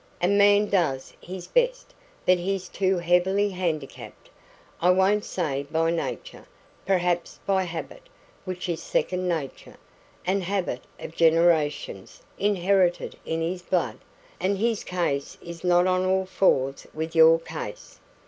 A man does his best, but he's too heavily handicapped I won't say by nature perhaps by habit, which is second nature the habit of generations, inherited in his blood and his case is not on all fours with your case.